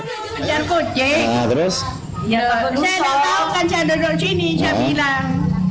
saya kucing saya nggak tahu kan saya duduk di sini saya bilang